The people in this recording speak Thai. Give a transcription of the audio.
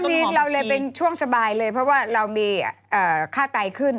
เราเลยเป็นช่วงสบายเลยเพราะว่าเรามีค่าไตขึ้น